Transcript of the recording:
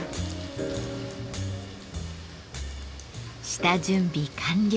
下準備完了。